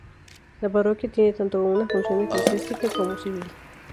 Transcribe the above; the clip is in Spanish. La parroquia tiene tanto una función eclesiástica como civil.